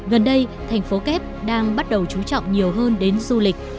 gần đây thành phố kép đang bắt đầu chú trọng nhiều hơn đến du lịch